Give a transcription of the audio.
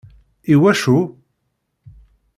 Iwacu?